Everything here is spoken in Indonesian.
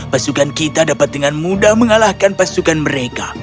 pasukan kita dapat dengan mudah mengalahkan pasukan mereka